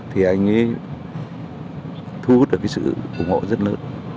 thì anh ấy thu hút được cái sự ủng hộ rất lớn